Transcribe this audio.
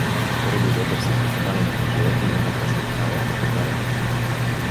Скоро дойдоха всички поканени мъже и минаха след царя в трапезарията.